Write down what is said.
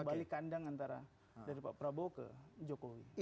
balik kandang antara dari pak prabowo ke jokowi